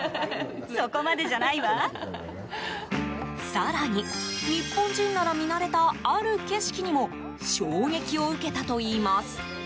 更に、日本人なら見慣れたある景色にも衝撃を受けたといいます。